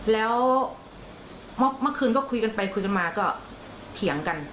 อยากได้เงินก็ไปฟ้องเอา